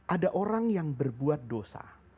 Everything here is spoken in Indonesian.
ada orang yang berbuat dosa